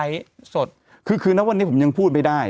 สดคือคือนะวันนี้ผมยังพูดไม่ได้